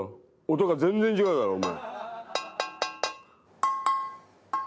音が全然違うだろお前。